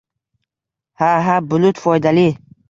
Ha, ha, bulut foydali